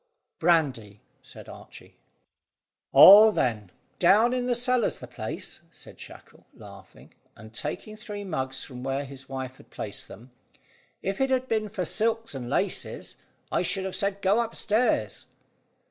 "Brandy," said Archy. "Oh, then, down in the cellar's the place," said Shackle, laughing, and taking three mugs from where his wife had placed them. "If it had been for silks and laces, I should have said go upstairs."